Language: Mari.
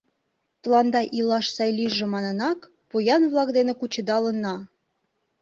Тыланда илаш сай лийже манынак, поян-влак дене кучедалына.